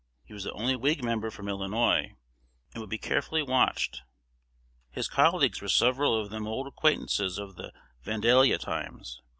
He was the only Whig member from Illinois, and would be carefully watched. His colleagues were several of them old acquaintances of the Vandalia times.